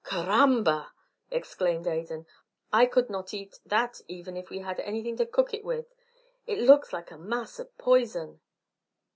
"Caramba!" exclaimed Adan, "I could not eat that even if we had anything to cook it with. It looks like a mass of poison."